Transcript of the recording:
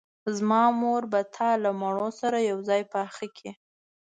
زما مور به تا له مڼو سره یوځای پاخه کړي